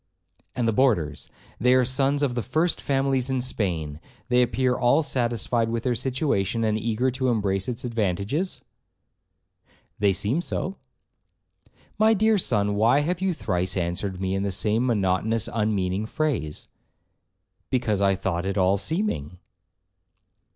'And the boarders—they are sons of the first families in Spain, they appear all satisfied with their situation, and eager to embrace its advantages.' 'They seem so.' 'My dear son, why have you thrice answered me in the same monotonous, unmeaning phrase?' 'Because I thought it all seeming.'